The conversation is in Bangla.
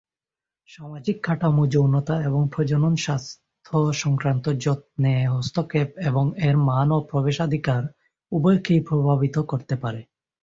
সামাজিক কাঠামো যৌনতা এবং প্রজনন স্বাস্থ্য সংক্রান্ত যত্নে হস্তক্ষেপ এবং এর মান ও প্রবেশাধিকার উভয়কেই প্রভাবিত করতে পারে।